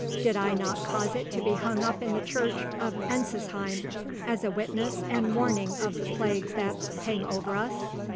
Did I not cause it to be hung up in the church of Encisheim, as a witness and warning of the plagues that hang over us?